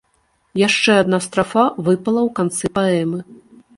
Яшчэ адна страфа выпала ў канцы паэмы.